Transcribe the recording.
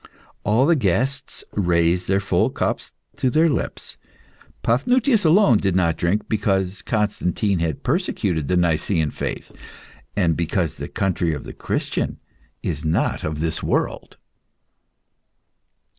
All the guests raised their full cups to their lips. Paphnutius alone did not drink, because Constantine had persecuted the Nicaean faith, and because the country of the Christian is not of this world.